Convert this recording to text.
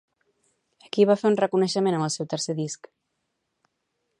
A qui va fer un reconeixement amb el seu tercer disc?